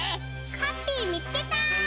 ハッピーみつけた！